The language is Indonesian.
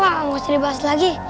udah udah rafa gak usah dibahas lagi